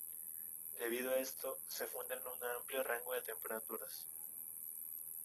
Debido a esto, se funden en un amplio rango de temperaturas.